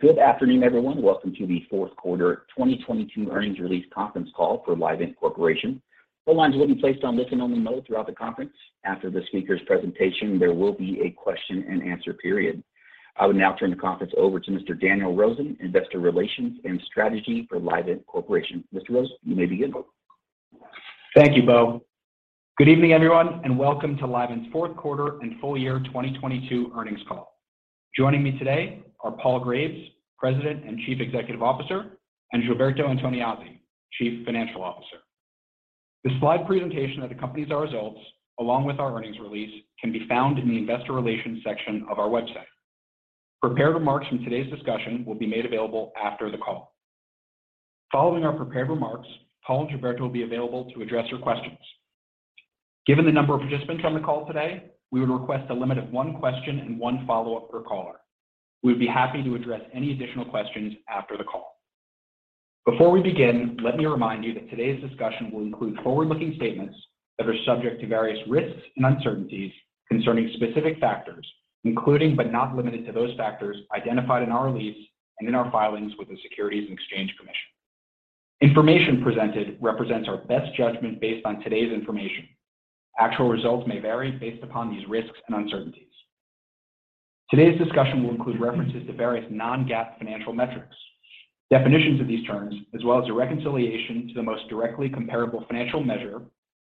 Good afternoon, everyone. Welcome to the fourth quarter 2022 earnings release conference call for Livent Corporation. All lines will be placed on listen-only mode throughout the conference. After the speaker's presentation, there will be a question and answer period. I would now turn the conference over to Mr. Daniel Rosen, Investor Relations & Strategy for Livent Corporation. Mr. Rosen, you may begin. Thank you, Bo. Good evening, everyone, and welcome to Livent's fourth quarter and full year 2022 earnings call. Joining me today are Paul Graves, President and Chief Executive Officer, and Gilberto Antoniazzi, Chief Financial Officer. The slide presentation that accompanies our results, along with our earnings release, can be found in the Investor Relations section of our website. Prepared remarks from today's discussion will be made available after the call. Following our prepared remarks, Paul and Gilberto will be available to address your questions. Given the number of participants on the call today, we would request a limit of one question and one follow-up per caller. We'd be happy to address any additional questions after the call. Before we begin, let me remind you that today's discussion will include forward-looking statements that are subject to various risks and uncertainties concerning specific factors, including but not limited to those factors identified in our release and in our filings with the Securities and Exchange Commission. Information presented represents our best judgment based on today's information. Actual results may vary based upon these risks and uncertainties. Today's discussion will include references to various non-GAAP financial metrics. Definitions of these terms, as well as a reconciliation to the most directly comparable financial measure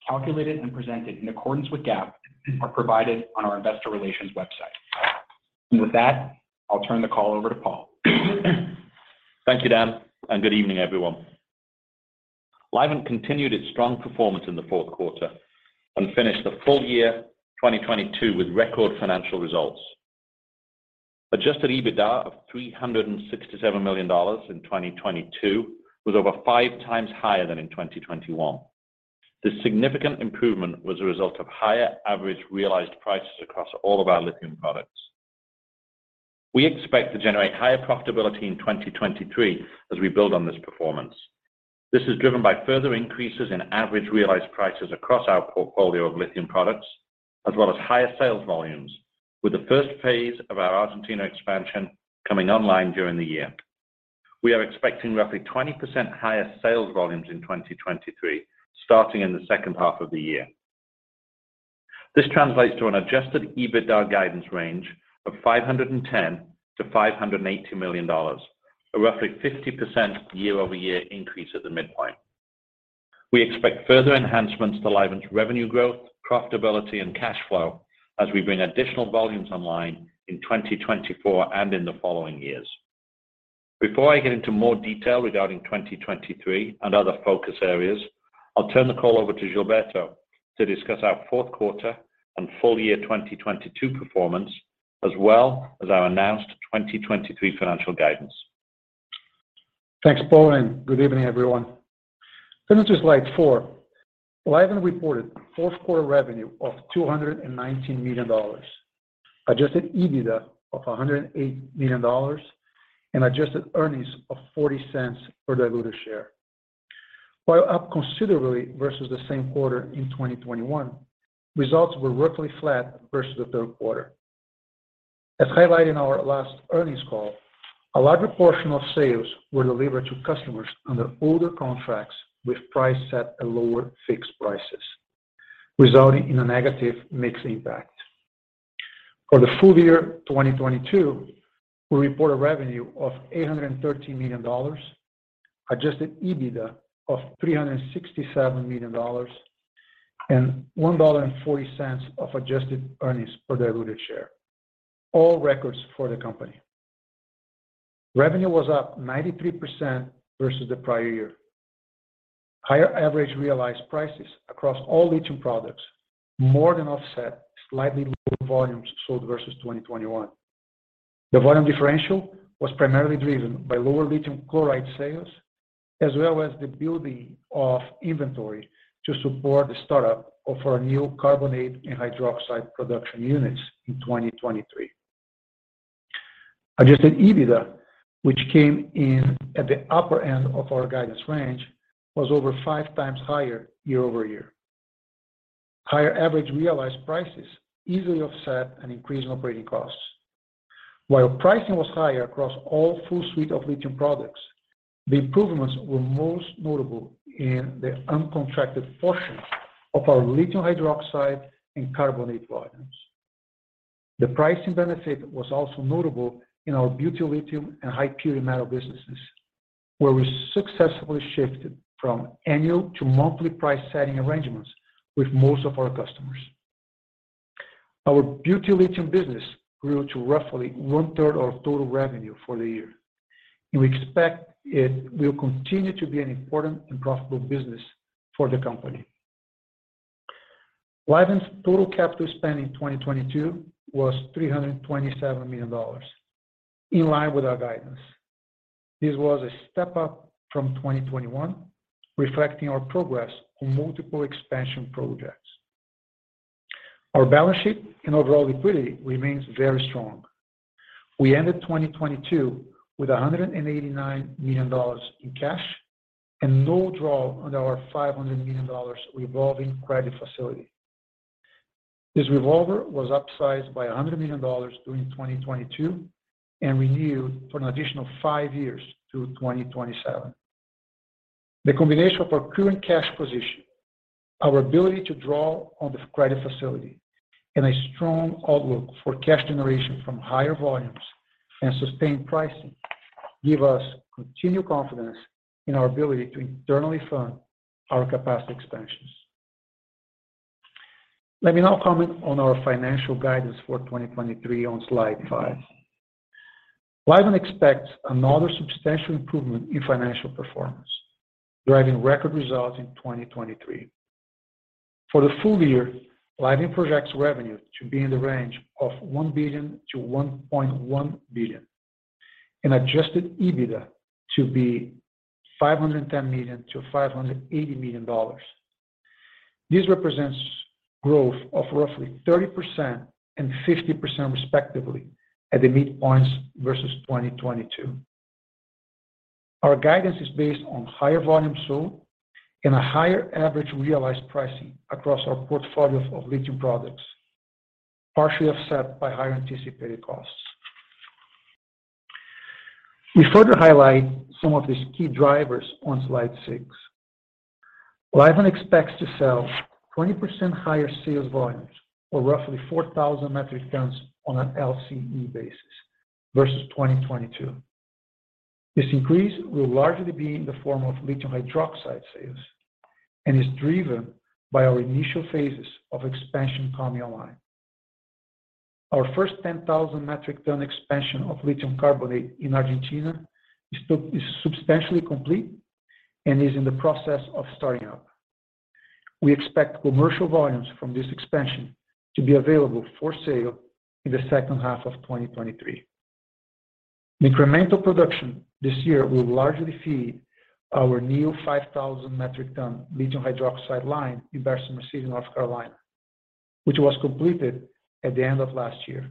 calculated and presented in accordance with GAAP, are provided on our investor relations website. With that, I'll turn the call over to Paul. Thank you, Dan, and good evening everyone. Livent continued its strong performance in the fourth quarter and finished the full year 2022 with record financial results. Adjusted EBITDA of $367 million in 2022 was over five times higher than in 2021. This significant improvement was a result of higher average realized prices across all of our lithium products. We expect to generate higher profitability in 2023 as we build on this performance. This is driven by further increases in average realized prices across our portfolio of lithium products as well as higher sales volumes, with the first phase of our Argentina expansion coming online during the year. We are expecting roughly 20% higher sales volumes in 2023, starting in the second half of the year. This translates to an Adjusted EBITDA guidance range of $510 million-$580 million, a roughly 50% year-over-year increase at the midpoint. We expect further enhancements to Livent's revenue growth, profitability, and cash flow as we bring additional volumes online in 2024 and in the following years. Before I get into more detail regarding 2023 and other focus areas, I'll turn the call over to Gilberto to discuss our fourth quarter and full year 2022 performance, as well as our announced 2023 financial guidance. Thanks, Paul, and good evening, everyone. Turning to slide four, Livent reported fourth quarter revenue of $219 million, Adjusted EBITDA of $108 million, and adjusted earnings of $0.40 per diluted share. While up considerably versus the same quarter in 2021, results were roughly flat versus the third quarter. As highlighted in our last earnings call, a larger portion of sales were delivered to customers under older contracts with price set at lower fixed prices, resulting in a negative mix impact. For the full year 2022, we reported revenue of $813 million, Adjusted EBITDA of $367 million, and $1.40 of adjusted earnings per diluted share. All records for the company. Revenue was up 93% versus the prior year. Higher average realized prices across all lithium products more than offset slightly lower volumes sold versus 2021. The volume differential was primarily driven by lower lithium chloride sales as well as the building of inventory to support the startup of our new carbonate and hydroxide production units in 2023. Adjusted EBITDA, which came in at the upper end of our guidance range, was over five times higher year-over-year. Higher average realized prices easily offset an increase in operating costs. While pricing was higher across all full suite of lithium products, the improvements were most notable in the uncontracted portions of our lithium hydroxide and carbonate volumes. The pricing benefit was also notable in our butyllithium and high-purity metal businesses, where we successfully shifted from annual to monthly price setting arrangements with most of our customers. Our butyllithium business grew to roughly one-third of total revenue for the year. We expect it will continue to be an important and profitable business for the company. Livent's total capital spend in 2022 was $327 million, in line with our guidance. This was a step up from 2021, reflecting our progress on multiple expansion projects. Our balance sheet and overall liquidity remains very strong. We ended 2022 with $189 million in cash and no draw on our $500 million revolving credit facility. This revolver was upsized by $100 million during 2022 and renewed for an additional five years to 2027. The combination of our current cash position, our ability to draw on the credit facility, and a strong outlook for cash generation from higher volumes and sustained pricing give us continued confidence in our ability to internally fund our capacity expansions. Let me now comment on our financial guidance for 2023 on Slide 5. Livent expects another substantial improvement in financial performance, driving record results in 2023. For the full year, Livent projects revenue to be in the range of $1 billion-$1.1 billion, and Adjusted EBITDA to be $510 million-$580 million. This represents growth of roughly 30% and 50% respectively at the midpoints versus 2022. Our guidance is based on higher volume sold and a higher average realized pricing across our portfolio of lithium products, partially offset by higher anticipated costs. We further highlight some of these key drivers on Slide 6. Livent expects to sell 20% higher sales volumes or roughly 4,000 metric tons on an LCE basis versus 2022. This increase will largely be in the form of lithium hydroxide sales and is driven by our initial phases of expansion coming online. Our first 10,000 metric ton expansion of lithium carbonate in Argentina is substantially complete and is in the process of starting up. We expect commercial volumes from this expansion to be available for sale in the second half of 2023. Incremental production this year will largely feed our new 5,000 metric ton lithium hydroxide line in Benson, North Carolina, which was completed at the end of last year.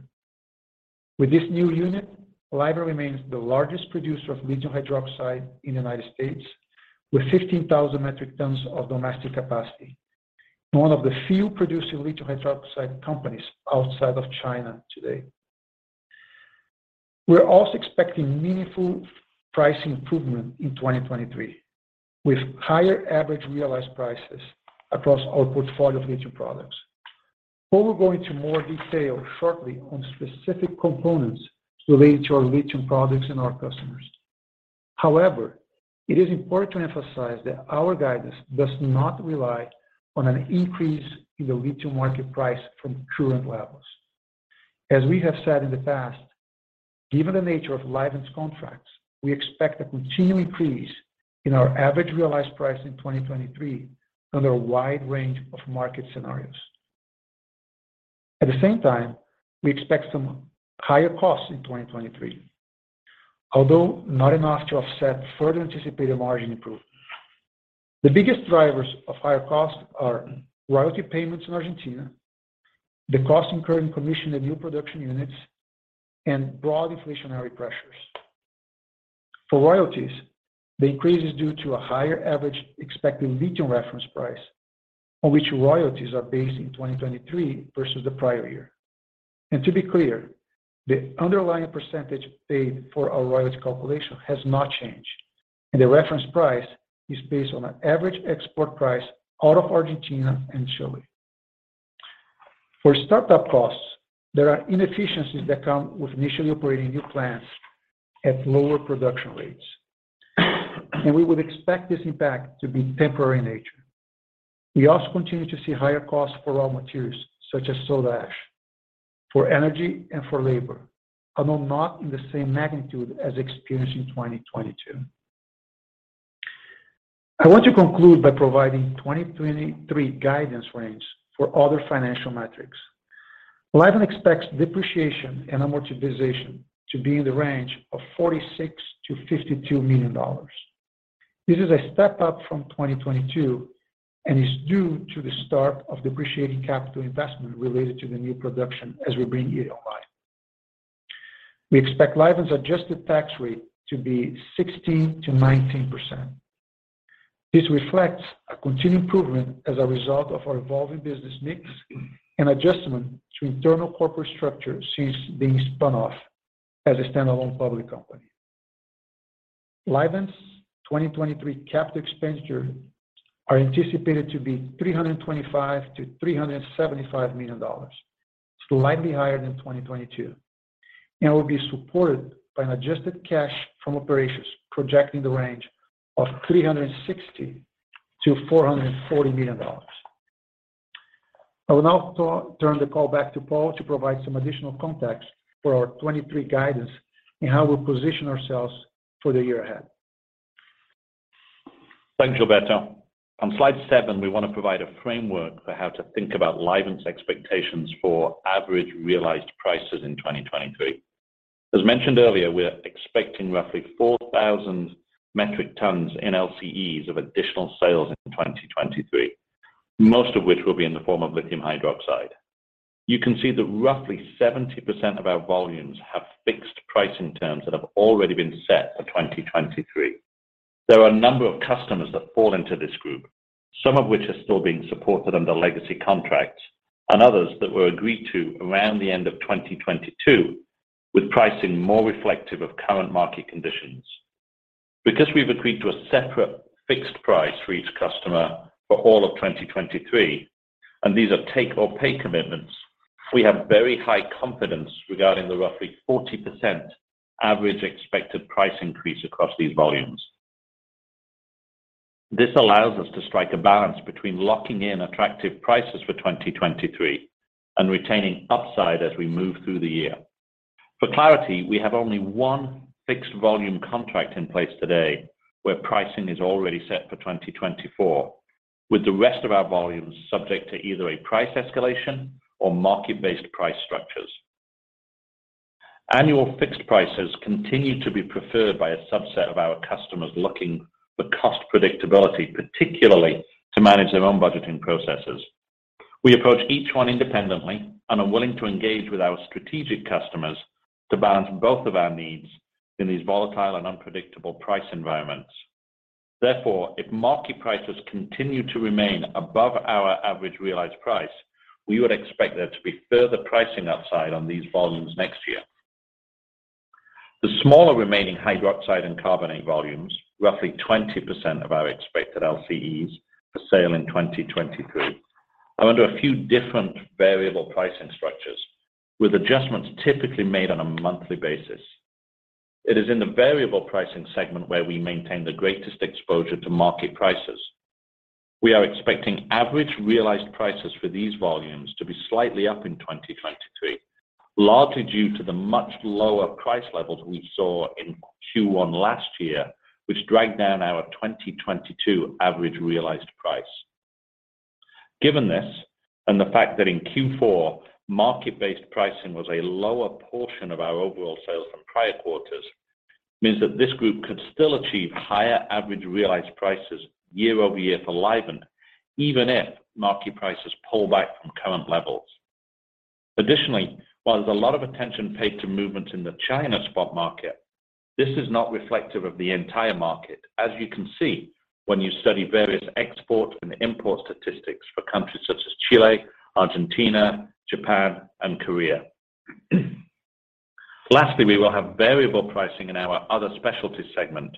With this new unit, Livent remains the largest producer of lithium hydroxide in the United States, with 15,000 metric tons of domestic capacity, and one of the few producing lithium hydroxide companies outside of China today. We're also expecting meaningful pricing improvement in 2023, with higher average realized prices across our portfolio of lithium products. Paul will go into more detail shortly on specific components related to our lithium products and our customers. It is important to emphasize that our guidance does not rely on an increase in the lithium market price from current levels. As we have said in the past, given the nature of Livent's contracts, we expect a continued increase in our average realized price in 2023 under a wide range of market scenarios. At the same time, we expect some higher costs in 2023, although not enough to offset further anticipated margin improvement. The biggest drivers of higher costs are royalty payments in Argentina, the cost incurred in commissioning the new production units, and broad inflationary pressures. For royalties, the increase is due to a higher average expected lithium reference price on which royalties are based in 2023 versus the prior year. To be clear, the underlying percentage paid for our royalty calculation has not changed, and the reference price is based on an average export price out of Argentina and Chile. For startup costs, there are inefficiencies that come with initially operating new plants at lower production rates, and we would expect this impact to be temporary in nature. We also continue to see higher costs for raw materials such as soda ash, for energy and for labor, although not in the same magnitude as experienced in 2022. I want to conclude by providing 2023 guidance range for other financial metrics. Livent expects depreciation and amortization to be in the range of $46 million-$52 million. This is a step up from 2022 and is due to the start of depreciating capital investment related to the new production as we bring it online. We expect Livent's adjusted tax rate to be 16%-19%. This reflects a continued improvement as a result of our evolving business mix and adjustment to internal corporate structure since being spun off as a standalone public company. Livent's 2023 capital expenditure are anticipated to be $325 million-$375 million, slightly higher than 2022, and will be supported by an adjusted cash from operations projecting the range of $360 million-$440 million. I will now turn the call back to Paul to provide some additional context for our 2023 guidance and how we position ourselves for the year ahead. Thank you, Gilberto. On Slide 7, we want to provide a framework for how to think about Livent's expectations for average realized prices in 2023. As mentioned earlier, we're expecting roughly 4,000 metric tons in LCEs of additional sales in 2023, most of which will be in the form of lithium hydroxide. You can see that roughly 70% of our volumes have fixed pricing terms that have already been set for 2023. There are a number of customers that fall into this group, some of which are still being supported under legacy contracts and others that were agreed to around the end of 2022, with pricing more reflective of current market conditions. Because we've agreed to a separate fixed price for each customer for all of 2023, and these are take or pay commitments, we have very high confidence regarding the roughly 40% average expected price increase across these volumes. This allows us to strike a balance between locking in attractive prices for 2023 and retaining upside as we move through the year. For clarity, we have only one fixed volume contract in place today where pricing is already set for 2024, with the rest of our volumes subject to either a price escalation or market-based price structures. Annual fixed prices continue to be preferred by a subset of our customers looking for cost predictability, particularly to manage their own budgeting processes. We approach each one independently and are willing to engage with our strategic customers to balance both of our needs in these volatile and unpredictable price environments. Therefore, if market prices continue to remain above our average realized price, we would expect there to be further pricing upside on these volumes next year. The smaller remaining hydroxide and carbonate volumes, roughly 20% of our expected LCEs for sale in 2023, are under a few different variable pricing structures, with adjustments typically made on a monthly basis. It is in the variable pricing segment where we maintain the greatest exposure to market prices. We are expecting average realized prices for these volumes to be slightly up in 2023, largely due to the much lower price levels we saw in Q1 last year, which dragged down our 2022 average realized price. Given this and the fact that in Q4, market-based pricing was a lower portion of our overall sales from prior quarters means that this group could still achieve higher average realized prices year-over-year for Livent, even if market prices pull back from current levels. While there's a lot of attention paid to movements in the China spot market, this is not reflective of the entire market. As you can see when you study various export and import statistics for countries such as Chile, Argentina, Japan, and Korea. We will have variable pricing in our other specialties segment,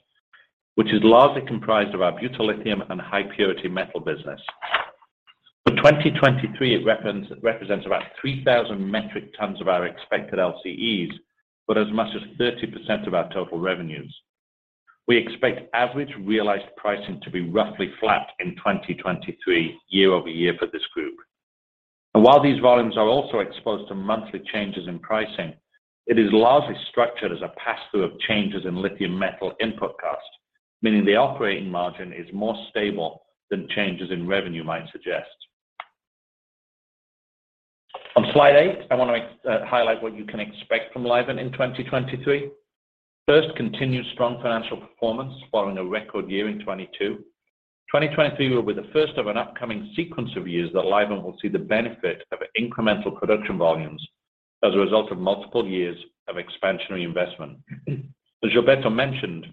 which is largely comprised of our butyllithium and high-purity metal business. For 2023, it represents about 3,000 metric tons of our expected LCEs, but as much as 30% of our total revenues. We expect average realized pricing to be roughly flat in 2023 year-over-year for this group. While these volumes are also exposed to monthly changes in pricing, it is largely structured as a pass-through of changes in lithium metal input costs, meaning the operating margin is more stable than changes in revenue might suggest. On Slide 8, I want to highlight what you can expect from Livent in 2023. First, continued strong financial performance following a record year in 2022. 2023 will be the first of an upcoming sequence of years that Livent will see the benefit of incremental production volumes as a result of multiple years of expansionary investment. As Gilberto mentioned,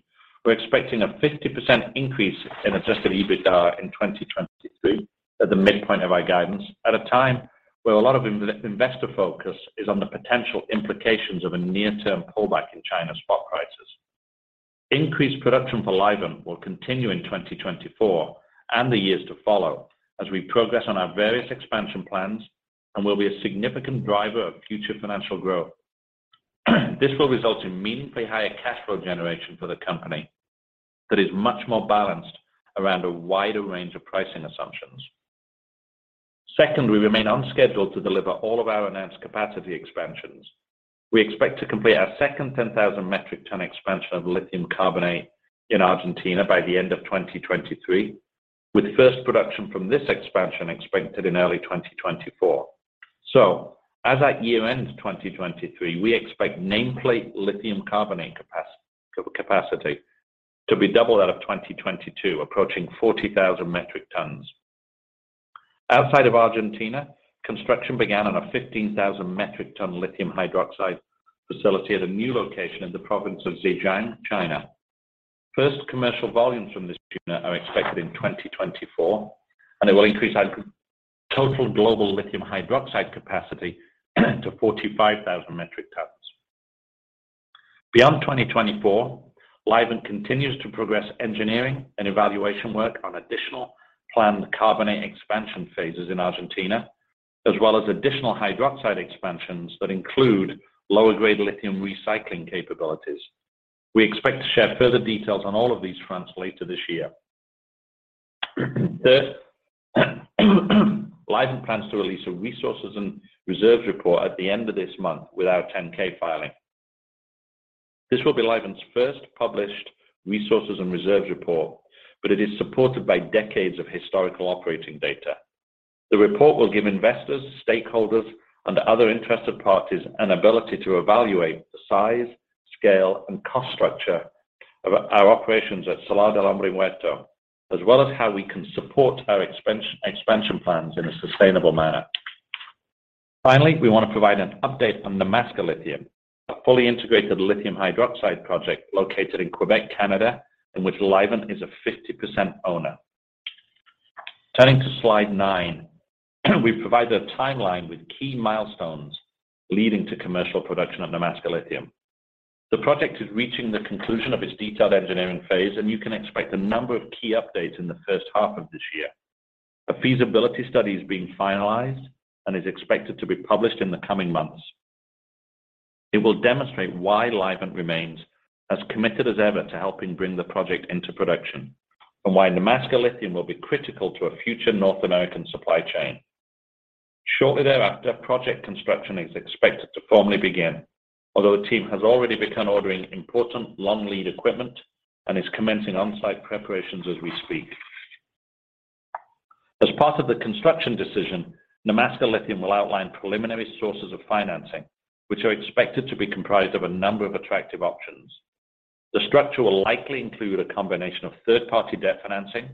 we're expecting a 50% increase in Adjusted EBITDA in 2023 at the midpoint of our guidance at a time where a lot of investor focus is on the potential implications of a near-term pullback in China spot prices. Increased production for Livent will continue in 2024 and the years to follow as we progress on our various expansion plans and will be a significant driver of future financial growth. This will result in meaningfully higher cash flow generation for the company that is much more balanced around a wider range of pricing assumptions. Second, we remain on schedule to deliver all of our enhanced capacity expansions. We expect to complete our second 10,000 metric ton expansion of lithium carbonate in Argentina by the end of 2023, with first production from this expansion expected in early 2024. As that year ends, 2023, we expect nameplate lithium carbonate capacity to be double that of 2022 approaching 40,000 metric tons. Outside of Argentina, construction began on a 15,000 metric ton lithium hydroxide facility at a new location in the province of Zhejiang, China. First commercial volumes from this Touna are expected in 2024, and they will increase our total global lithium hydroxide capacity to 45,000 metric tons. Beyond 2024, Livent continues to progress engineering and evaluation work on additional planned carbonate expansion phases in Argentina, as well as additional hydroxide expansions that include lower grade lithium recycling capabilities. We expect to share further details on all of these fronts later this year. Third, Livent plans to release a resources and reserves report at the end of this month with our 10-K filing. This will be Livent's first published resources and reserves report, but it is supported by decades of historical operating data. The report will give investors, stakeholders, and other interested parties an ability to evaluate the size, scale, and cost structure of our operations at Salar del Hombre Muerto, as well as how we can support our expansion plans in a sustainable manner. Finally, we want to provide an update on Nemaska Lithium, a fully integrated lithium hydroxide project located in Quebec, Canada, in which Livent is a 50% owner. Turning to Slide 9, we provide a timeline with key milestones leading to commercial production of Nemaska Lithium. The project is reaching the conclusion of its detailed engineering phase, and you can expect a number of key updates in the first half of this year. A feasibility study is being finalized and is expected to be published in the coming months. It will demonstrate why Livent remains as committed as ever to helping bring the project into production and why Nemaska Lithium will be critical to a future North American supply chain. Shortly thereafter, project construction is expected to formally begin. Although the team has already begun ordering important long lead equipment and is commencing on-site preparations as we speak. As part of the construction decision, Nemaska Lithium will outline preliminary sources of financing, which are expected to be comprised of a number of attractive options. The structure will likely include a combination of third-party debt financing,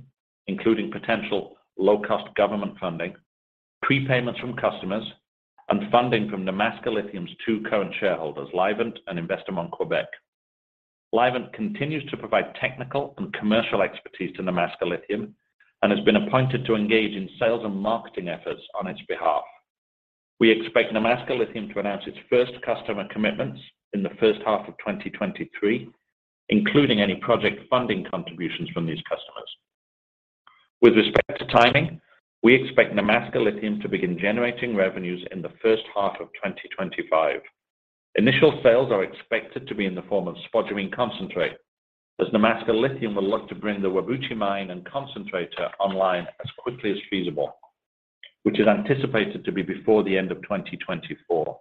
including potential low-cost government funding, prepayments from customers, and funding from Nemaska Lithium's two current shareholders, Livent and Investissement Québec. Livent continues to provide technical and commercial expertise to Nemaska Lithium and has been appointed to engage in sales and marketing efforts on its behalf. We expect Nemaska Lithium to announce its first customer commitments in the first half of 2023, including any project funding contributions from these customers. With respect to timing, we expect Nemaska Lithium to begin generating revenues in the first half of 2025. Initial sales are expected to be in the form of spodumene concentrate as Nemaska Lithium will look to bring the Whabouchi mine and concentrator online as quickly as feasible, which is anticipated to be before the end of 2024.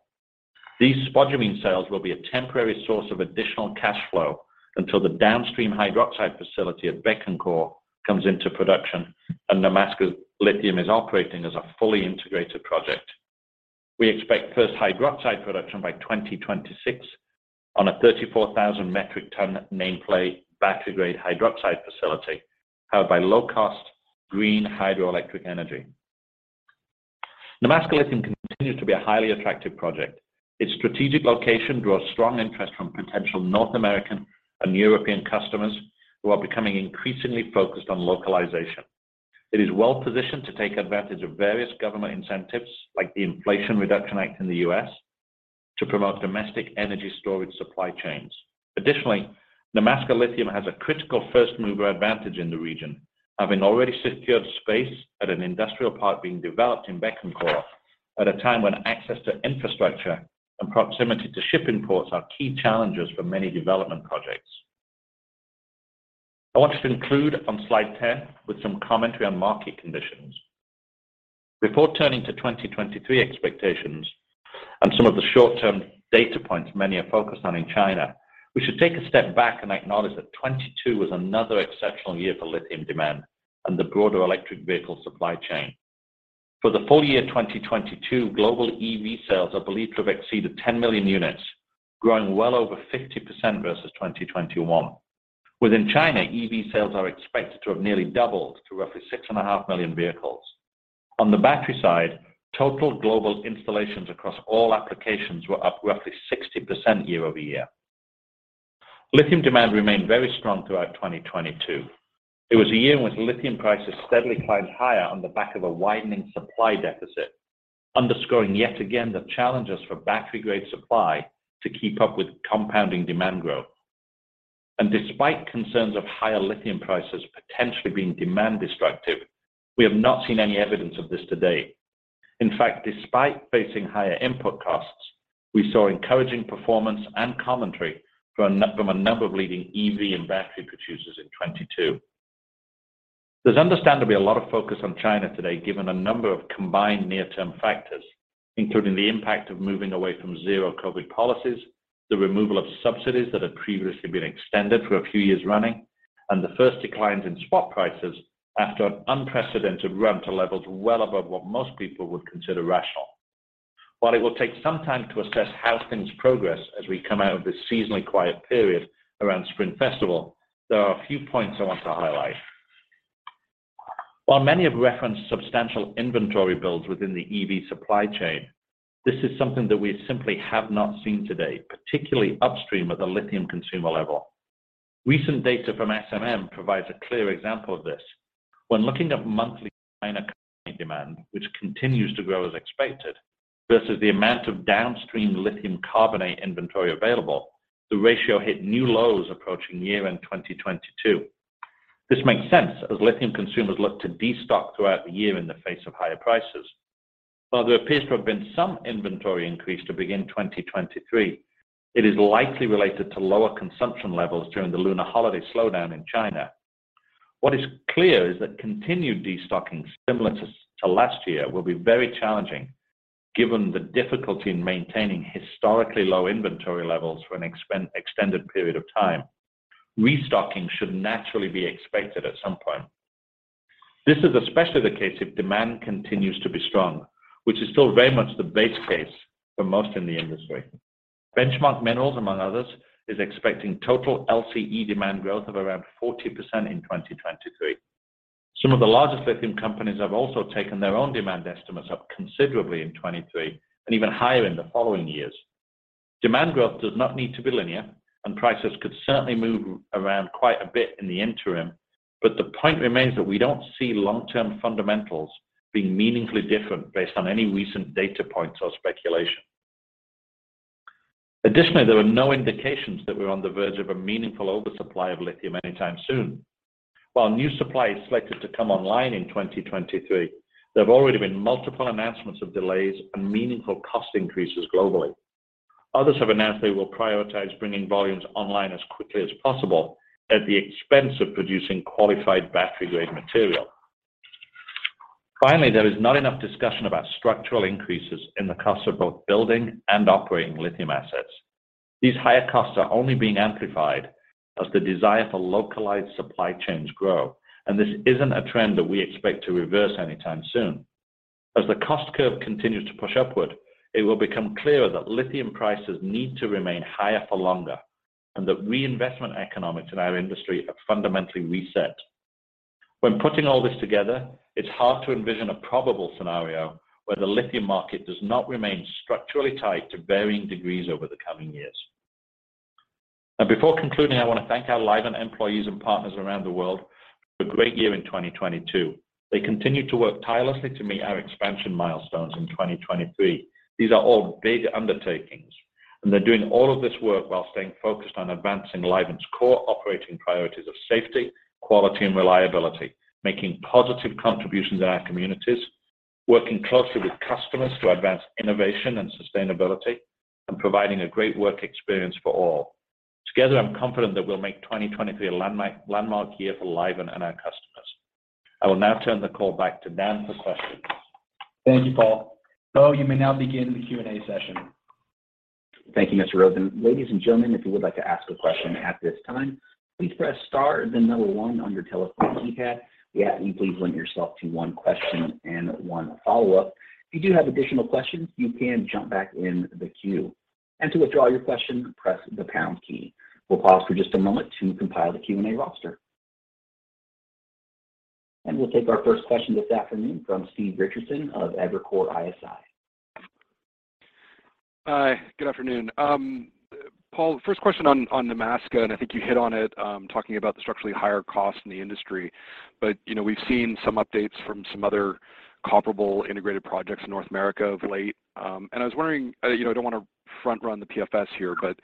These spodumene sales will be a temporary source of additional cash flow until the downstream hydroxide facility at Bécancour comes into production and Nemaska Lithium is operating as a fully integrated project. We expect first hydroxide production by 2026 on a 34,000 metric ton nameplate battery-grade lithium hydroxide facility powered by low cost green hydroelectric energy. Nemaska Lithium continues to be a highly attractive project. Its strategic location draws strong interest from potential North American and European customers who are becoming increasingly focused on localization. It is well positioned to take advantage of various government incentives, like the Inflation Reduction Act in the U.S., to promote domestic energy storage supply chains. Nemaska Lithium has a critical first mover advantage in the region, having already secured space at an industrial park being developed in Bécancour at a time when access to infrastructure and proximity to shipping ports are key challenges for many development projects. I want to conclude on slide 10 with some commentary on market conditions. Before turning to 2023 expectations and some of the short term data points many are focused on in China, we should take a step back and acknowledge that 2022 was another exceptional year for lithium demand and the broader electric vehicle supply chain. For the full year 2022, global EV sales are believed to have exceeded 10 million units, growing well over 50% versus 2021. Within China, EV sales are expected to have nearly doubled to roughly 6.5 million vehicles. On the battery side, total global installations across all applications were up roughly 60% year-over-year. Lithium demand remained very strong throughout 2022. It was a year in which lithium prices steadily climbed higher on the back of a widening supply deficit, underscoring yet again the challenges for battery-grade supply to keep up with compounding demand growth. Despite concerns of higher lithium prices potentially being demand destructive, we have not seen any evidence of this to date. In fact, despite facing higher input costs, we saw encouraging performance and commentary from a number of leading EV and battery producers in 2022. There's understandably a lot of focus on China today given a number of combined near-term factors, including the impact of moving away from zero COVID policies, the removal of subsidies that had previously been extended for a few years running, and the first declines in spot prices after an unprecedented run to levels well above what most people would consider rational. While it will take some time to assess how things progress as we come out of this seasonally quiet period around Spring Festival, there are a few points I want to highlight. While many have referenced substantial inventory builds within the EV supply chain, this is something that we simply have not seen to date, particularly upstream at the lithium consumer level. Recent data from SMM provides a clear example of this. When looking at monthly China demand, which continues to grow as expected, versus the amount of downstream lithium carbonate inventory available, the ratio hit new lows approaching year-end 2022. This makes sense as lithium consumers look to destock throughout the year in the face of higher prices. While there appears to have been some inventory increase to begin 2023, it is likely related to lower consumption levels during the Lunar holiday slowdown in China. What is clear is that continued destocking similar to last year will be very challenging given the difficulty in maintaining historically low inventory levels for an extended period of time. Restocking should naturally be expected at some point. This is especially the case if demand continues to be strong, which is still very much the base case for most in the industry. Benchmark Minerals, among others, is expecting total LCE demand growth of around 40% in 2023. Some of the largest lithium companies have also taken their own demand estimates up considerably in 2023 and even higher in the following years. The point remains that we don't see long-term fundamentals being meaningfully different based on any recent data points or speculation. Additionally, there are no indications that we're on the verge of a meaningful oversupply of lithium anytime soon. While new supply is selected to come online in 2023, there have already been multiple announcements of delays and meaningful cost increases globally. Others have announced they will prioritize bringing volumes online as quickly as possible at the expense of producing qualified battery-grade material. There is not enough discussion about structural increases in the cost of both building and operating lithium assets. These higher costs are only being amplified as the desire for localized supply chains grow, and this isn't a trend that we expect to reverse anytime soon. As the cost curve continues to push upward, it will become clearer that lithium prices need to remain higher for longer and that reinvestment economics in our industry have fundamentally reset. Putting all this together, it's hard to envision a probable scenario where the lithium market does not remain structurally tight to varying degrees over the coming years. Now, before concluding, I want to thank our Livent employees and partners around the world for a great year in 2022. They continued to work tirelessly to meet our expansion milestones in 2023. These are all big undertakings, and they're doing all of this work while staying focused on advancing Livent's core operating priorities of safety, quality, and reliability, making positive contributions in our communities, working closely with customers to advance innovation and sustainability, and providing a great work experience for all. Together, I'm confident that we'll make 2023 a landmark year for Livent and our customers. I will now turn the call back to Dan for questions. Thank you, Paul. You may now begin the Q&A session. Thank you, Mr. Rosen. Ladies and gentlemen, if you would like to ask a question at this time, please press star then one on your telephone keypad. We ask that you please limit yourself to one question and one follow-up. If you do have additional questions, you can jump back in the queue. To withdraw your question, press the pound key. We'll pause for just a moment to compile the Q&A roster. We'll take our first question this afternoon from Stephen Richardson of Evercore ISI. Hi, good afternoon. Paul, first question on Nemaska, and I think you hit on it, talking about the structurally higher cost in the industry. You know, we've seen some updates from some other comparable integrated projects in North America of late. I was wondering, you know, I don't want to front run the PFS here, but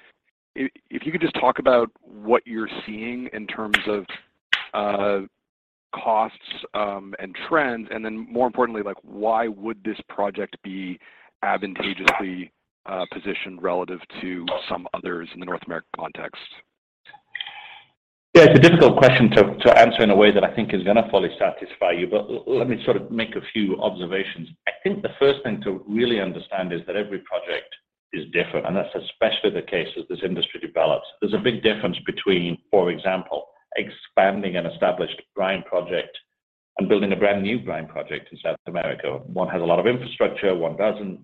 if you could just talk about what you're seeing in terms of costs, and trends, and then more importantly, like why would this project be advantageously positioned relative to some others in the North American context? It's a difficult question to answer in a way that I think is going to fully satisfy you. Let me sort of make a few observations. I think the first thing to really understand is that every project is different, and that's especially the case as this industry develops. There's a big difference between, for example, expanding an established brine project and building a brand-new brine project in South America. One has a lot of infrastructure, one doesn't.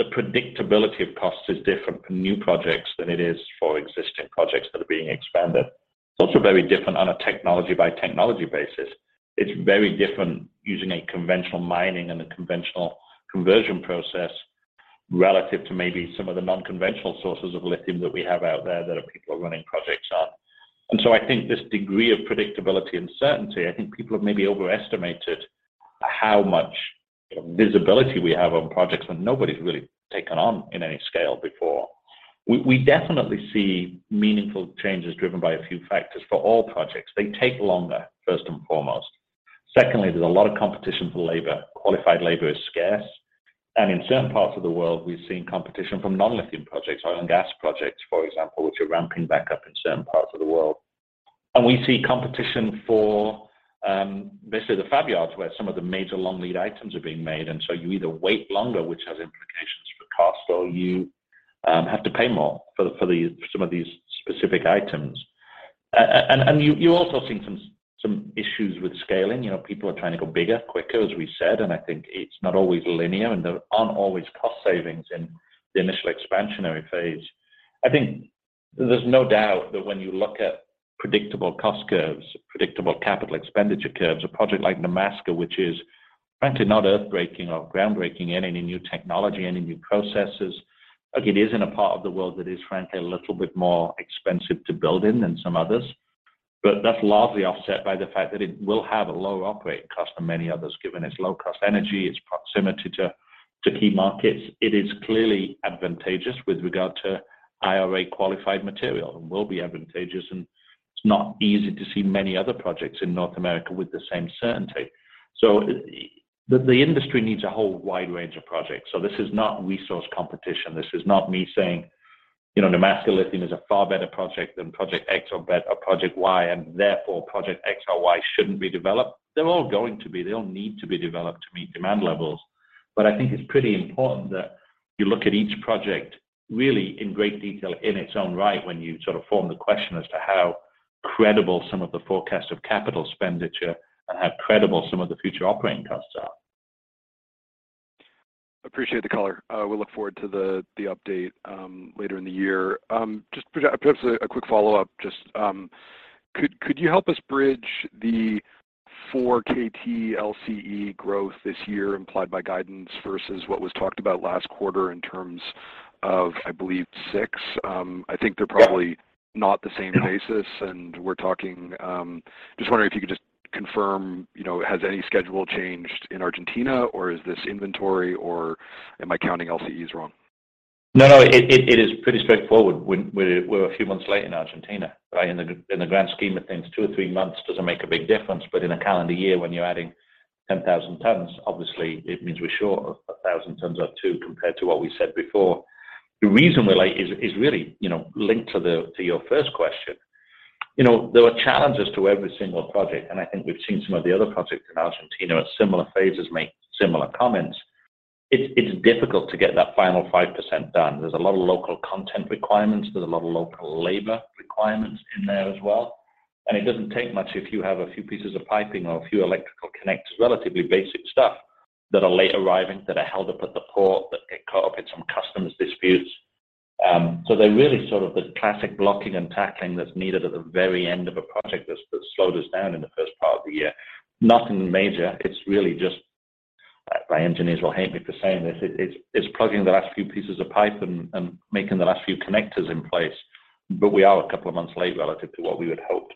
The predictability of costs is different for new projects than it is for existing projects that are being expanded. It's also very different on a technology by technology basis. It's very different using a conventional mining and a conventional conversion process relative to maybe some of the non-conventional sources of lithium that we have out there that people are running projects on. I think this degree of predictability and certainty, I think people have maybe overestimated how much visibility we have on projects that nobody's really taken on in any scale before. We definitely see meaningful changes driven by a few factors for all projects. They take longer, first and foremost. Secondly, there's a lot of competition for labor. Qualified labor is scarce. In certain parts of the world, we've seen competition from non-lithium projects, oil and gas projects, for example, which are ramping back up in certain parts of the world. We see competition for basically the fab yards where some of the major long lead items are being made. You either wait longer, which has implications for cost, or you have to pay more for some of these specific items. You also see some issues with scaling. You know, people are trying to go bigger, quicker, as we said, and I think it's not always linear, and there aren't always cost savings in the initial expansionary phase. I think there's no doubt that when you look at predictable cost curves, predictable capital expenditure curves, a project like Nemaska, which is frankly not earth-breaking or groundbreaking in any new technology, any new processes. Look, it is in a part of the world that is frankly a little bit more expensive to build in than some others. That's largely offset by the fact that it will have a lower operating cost than many others, given its low cost energy, its proximity to key markets. It is clearly advantageous with regard to IRA qualified material and will be advantageous, and it's not easy to see many other projects in North America with the same certainty. The industry needs a whole wide range of projects. This is not resource competition. This is not me saying, you know, Nemaska Lithium is a far better project than project X or project Y, and therefore, project X or Y shouldn't be developed. They're all going to be. They all need to be developed to meet demand levels. I think it's pretty important that you look at each project really in great detail in its own right when you sort of form the question as to how credible some of the forecasts of capital expenditure and how credible some of the future operating costs are. Appreciate the color. We'll look forward to the update later in the year. Just perhaps a quick follow-up. Just, could you help us bridge the 4 KT LCE growth this year implied by guidance versus what was talked about last quarter in terms of, I believe, six? I think they're probably. Yeah not the same basis. No. We're talking, Just wondering if you could just confirm, you know, has any schedule changed in Argentina, or is this inventory, or am I counting LCEs wrong? No, no. It is pretty straightforward. We're a few months late in Argentina, right? In the grand scheme of things, two or three months doesn't make a big difference. In a calendar year, when you're adding 10,000 tons, obviously it means we're short 1,000 tons or two compared to what we said before. The reason we're late is really, you know, linked to your first question. You know, there are challenges to every single project, and I think we've seen some of the other projects in Argentina at similar phases make similar comments. It's difficult to get that final 5% done. There's a lot of local content requirements. There's a lot of local labor requirements in there as well. It doesn't take much if you have a few pieces of piping or a few electrical connectors, relatively basic stuff, that are late arriving, that are held up at the port, that get caught up in some customs disputes. So they're really sort of the classic blocking and tackling that's needed at the very end of a project that's slowed us down in the first part of the year. Nothing major. It's really just, my engineers will hate me for saying this, it's plugging the last few pieces of pipe and making the last few connectors in place. We are a couple of months late relative to what we would hope.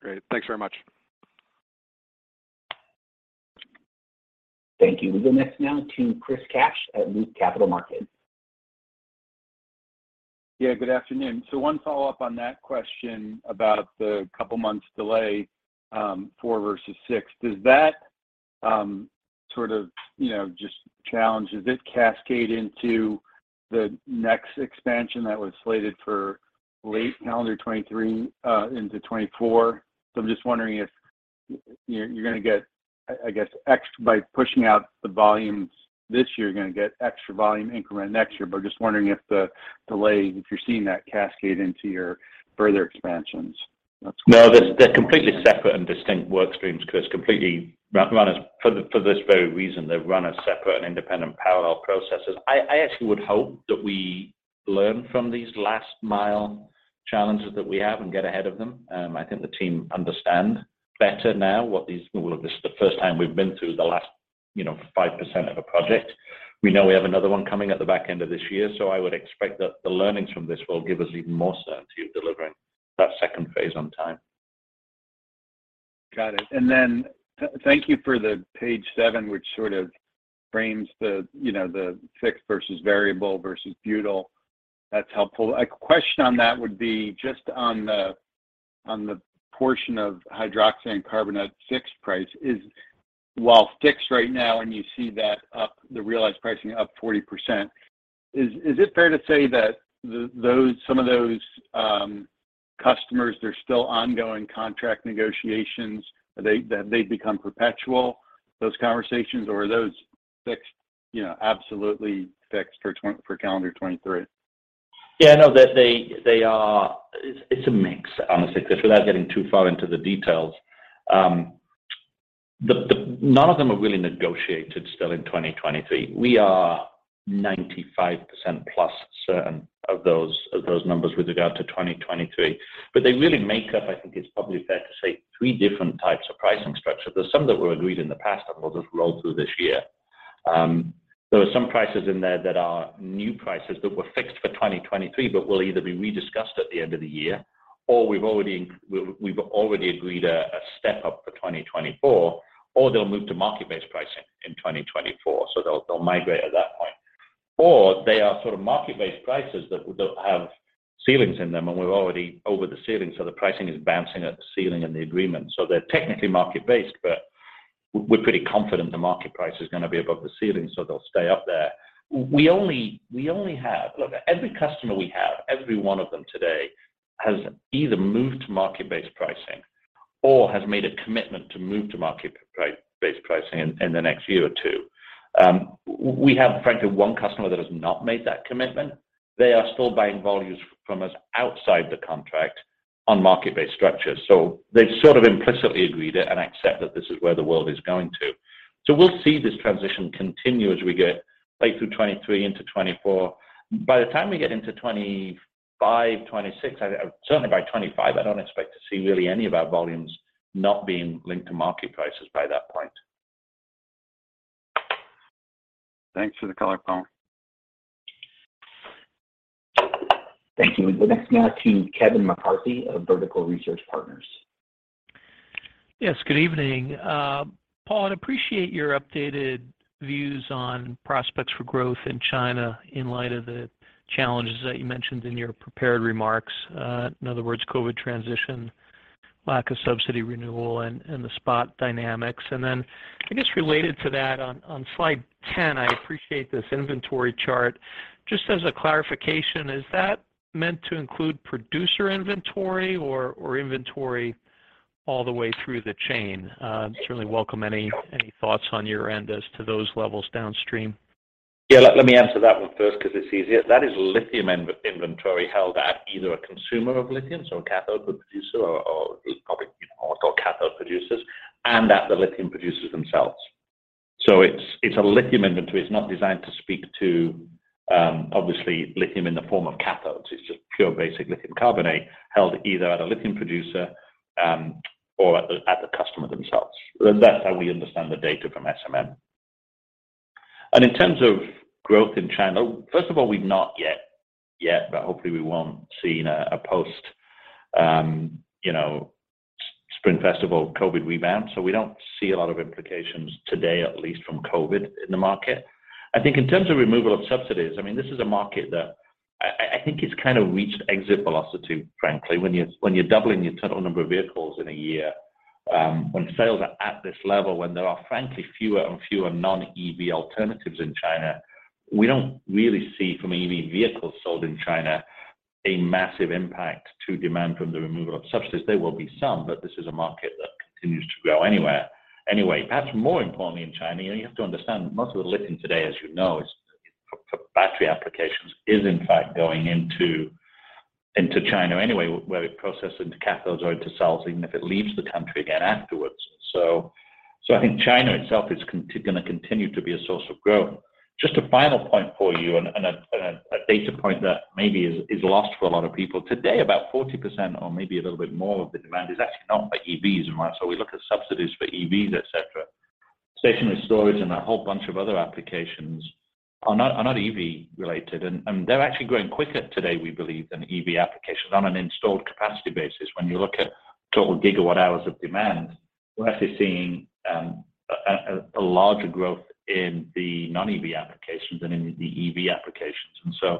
Great. Thanks very much. Thank you. We'll go next now to Chris Kapsch at Loop Capital Markets. Good afternoon. One follow-up on that question about the couple months delay, 4 versus 6. Does that, you know, just challenge, does it cascade into the next expansion that was slated for late calendar 2023 into 2024? I'm just wondering if you're gonna get, I guess, by pushing out the volumes this year, you're gonna get extra volume increment next year. Just wondering if the delay, if you're seeing that cascade into your further expansions. No, they're completely separate and distinct work streams, Chris. Completely run as separate and independent parallel processes. I actually would hope that we learn from these last mile challenges that we have and get ahead of them. I think the team understand better now what these Well, look, this is the first time we've been through the last, you know, 5% of a project. We know we have another one coming at the back end of this year, I would expect that the learnings from this will give us even more certainty of delivering that second phase on time. Got it. Thank you for the Page 7, which sort of frames the, you know, the fixed versus variable versus butyl. That's helpful. A question on that would be just on the, on the portion of hydroxide and carbonate fixed price. While fixed right now and you see that up, the realized pricing up 40%, is it fair to say that some of those customers, that they're still ongoing contract negotiations? That they become perpetual, those conversations? Or are those fixed, you know, absolutely fixed for calendar 2023? Yeah, no, they are. It's a mix, honestly, Chris, without getting too far into the details. The none of them are really negotiated still in 2023. We are 95% plus certain of those numbers with regard to 2023. They really make up, I think it's probably fair to say, 3 different types of pricing structure. There's some that were agreed in the past that will just roll through this year. There are some prices in there that are new prices that were fixed for 2023, but will either be rediscussed at the end of the year, or we've already agreed a step-up for 2024, or they'll move to market-based pricing in 2024. They'll migrate at that point. They are sort of market-based prices that have ceilings in them, and we're already over the ceiling. The pricing is bouncing at the ceiling in the agreement. They're technically market-based, but we're pretty confident the market price is gonna be above the ceiling. They'll stay up there. We only have. Look, every customer we have, every one of them today has either moved to market-based pricing or has made a commitment to move to market-based pricing in the next year or two. We have frankly, one customer that has not made that commitment. They are still buying volumes from us outside the contract on market-based structures. They've sort of implicitly agreed it and accept that this is where the world is going to. We'll see this transition continue as we get late through 2023 into 2024. By the time we get into 2025, 2026, I, certainly by 2025, I don't expect to see really any of our volumes not being linked to market prices by that point. Thanks for the color, Paul. Thank you. We'll go next now to Kevin McCarthy of Vertical Research Partners. Yes, good evening. Paul, I'd appreciate your updated views on prospects for growth in China in light of the challenges that you mentioned in your prepared remarks. In other words, COVID transition, lack of subsidy renewal and the spot dynamics. I guess related to that, on Slide 10, I appreciate this inventory chart. Just as a clarification, is that meant to include producer inventory or inventory all the way through the chain? Certainly welcome any thoughts on your end as to those levels downstream. Yeah, let me answer that one first because it's easier. That is lithium inventory held at either a consumer of lithium, so a cathode producer or probably, you know, what's called cathode producers, and at the lithium producers themselves. It's a lithium inventory. It's not designed to speak to, obviously lithium in the form of cathodes. It's just pure basic lithium carbonate held either at a lithium producer or at the customer themselves. That's how we understand the data from SMM. In terms of growth in China, first of all, we've not yet, but hopefully we won't, seen a post, you know, Spring Festival COVID rebound. We don't see a lot of implications today, at least from COVID in the market. I think in terms of removal of subsidies, I mean, this is a market that I think it's kind of reached exit velocity, frankly. When you're doubling your total number of vehicles in a year, when sales are at this level, when there are frankly fewer and fewer non-EV alternatives in China, we don't really see from an EV vehicles sold in China a massive impact to demand from the removal of subsidies. There will be some, but this is a market that continues to grow anyway. Perhaps more importantly in China, you know, you have to understand most of the lithium today, as you know, is for battery applications, is in fact going into China anyway, where it processes into cathodes or into cells, even if it leaves the country again afterwards. I think China itself is gonna continue to be a source of growth. Just a final point for you and a data point that maybe is lost for a lot of people. Today, about 40% or maybe a little bit more of the demand is actually not for EVs, right? We look at subsidies for EVs, et cetera. Stationary storage and a whole bunch of other applications are not EV related. They're actually growing quicker today, we believe, than EV applications on an installed capacity basis. When you look at total gigawatt hours of demand, we're actually seeing a larger growth in the non-EV applications than in the EV applications.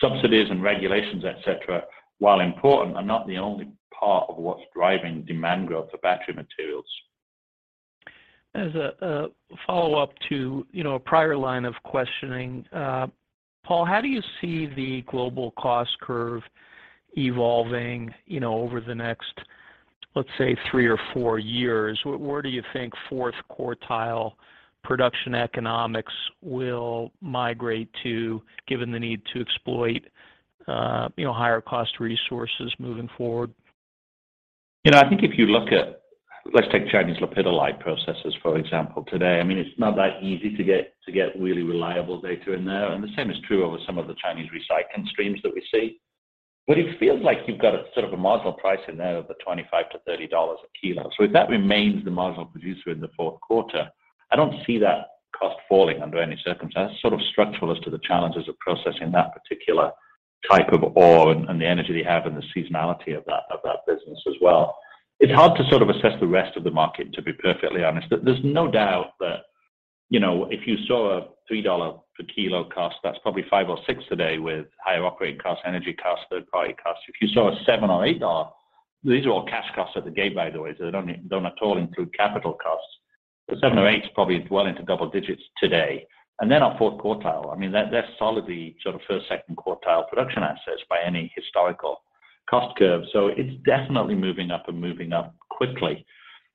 Subsidies and regulations, et cetera, while important, are not the only part of what's driving demand growth for battery materials. As a follow-up to, you know, a prior line of questioning, Paul, how do you see the global cost curve evolving, you know, over the next, let's say, three or four years? Where do you think fourth quartile production economics will migrate to given the need to exploit, you know, higher cost resources moving forward? You know, Let's take Chinese lepidolite processes, for example, today. I mean, it's not that easy to get really reliable data in there, and the same is true over some of the Chinese recycling streams that we see. It feels like you've got a sort of a marginal price in there of the $25-$30 a kilo. If that remains the marginal producer in the fourth quarter, I don't see that cost falling under any circumstance, sort of structural as to the challenges of processing that particular type of ore and the energy they have and the seasonality of that business as well. It's hard to sort of assess the rest of the market, to be perfectly honest. There's no doubt that, you know, if you saw a $3 per kilo cost, that's probably $5 or $6 today with higher operating costs, energy costs, third-party costs. If you saw a $7 or $8, these are all cash costs at the gate, by the way, so they don't at all include capital costs. The $7 or $8's probably well into double digits today. Our fourth quartile, I mean, they're solidly sort of first, second quartile production assets by any historical cost curve. It's definitely moving up and moving up quickly.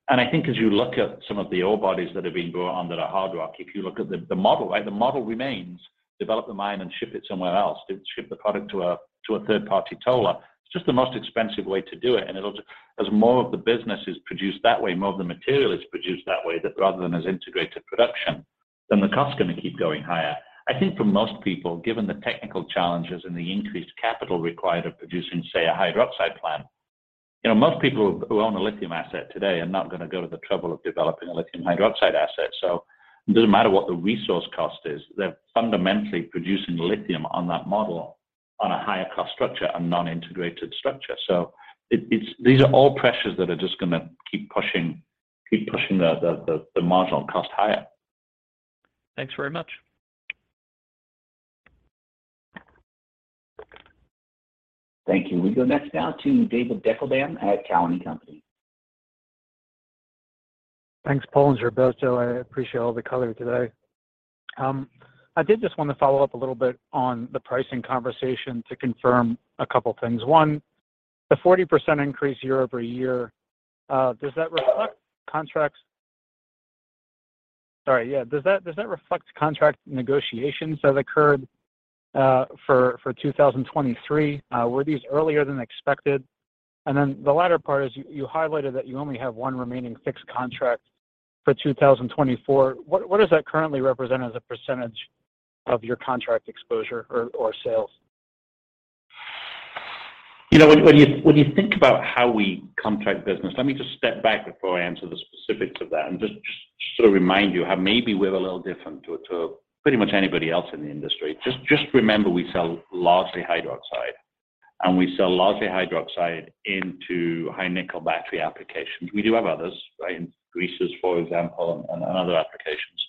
I think as you look at some of the ore bodies that are being brought on that are hard rock, if you look at the model, right? The model remains, develop the mine and ship it somewhere else. Ship the product to a third-party toller. It's just the most expensive way to do it. It'll As more of the business is produced that way, more of the material is produced that way rather than as integrated production, then the cost is gonna keep going higher. I think for most people, given the technical challenges and the increased capital required of producing, say, a hydroxide plant, you know, most people who own a lithium asset today are not gonna go to the trouble of developing a lithium hydroxide asset. It doesn't matter what the resource cost is, they're fundamentally producing lithium on that model on a higher cost structure, a non-integrated structure. It's these are all pressures that are just gonna keep pushing, keep pushing the marginal cost higher. Thanks very much. Thank you. We go next now to David Deckelbaum at Cowen and Company. Thanks, Paul and Gilberto. I appreciate all the color today. I did just want to follow up a little bit on the pricing conversation to confirm a couple of things. One, the 40% increase year-over-year, does that reflect contract negotiations that occurred for 2023? Were these earlier than expected? The latter part is you highlighted that you only have 1 remaining fixed contract for 2024. What does that currently represent as a percentage of your contract exposure or sales? You know, when you think about how we contract business, let me just step back before I answer the specifics of that and just sort of remind you how maybe we're a little different to pretty much anybody else in the industry. Just remember we sell largely hydroxide, and we sell largely hydroxide into high nickel battery applications. We do have others, right? In greases, for example, and other applications.